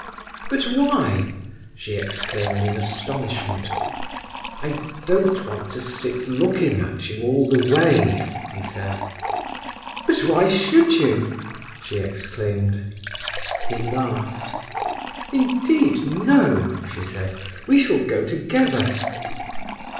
"But why?" she exclaimed in astonishment. "I don't want to sit looking at you all the way," he said. "But why should you?" she exclaimed. He laughed. "Indeed, no!" she said. "We shall go together."